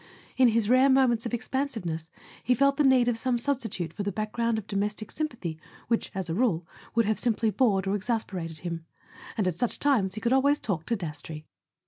In his rare moments of expansiveness he felt the need of some substitute for the background of domestic sympathy which, as a rule, would have simply bored or exasperated him; and at such times he could always talk to Dastrey.